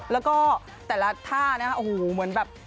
แล้วก็แต่ละท่านะฮะโอ้โหเหมือนแบบ